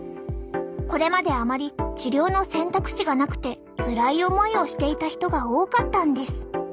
これまであまり治療の選択肢がなくてつらい思いをしていた人が多かったんです。